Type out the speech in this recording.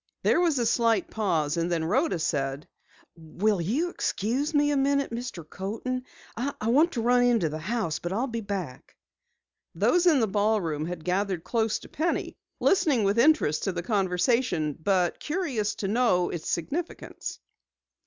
There was a slight pause and then Rhoda said: "Will you excuse me a moment, Mr. Coaten? I want to run into the house, but I'll be back." Those in the ballroom had gathered close to Penny, listening with interest to the conversation, but curious to learn its significance.